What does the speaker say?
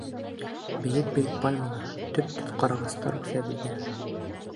Бейек-бейек пальмалар, төп-төҙ ҡарағастар үҫә беҙҙә!